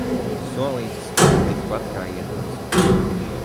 Solīts – tikpat kā iedots.